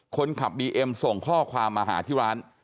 คนขับบีเอ็มส่งข้อความมาหาที่ร้าน